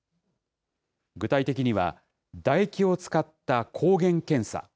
具体的には、唾液を使った抗原検査。